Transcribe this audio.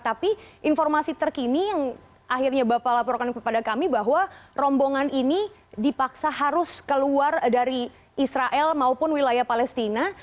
tapi informasi terkini yang akhirnya bapak laporkan kepada kami bahwa rombongan ini dipaksa harus keluar dari israel maupun wilayah palestina